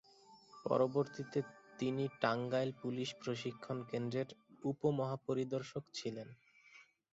পরবর্তীতে তিনি টাঙ্গাইল পুলিশ প্রশিক্ষণ কেন্দ্রের উপ মহা-পরিদর্শক ছিলেন।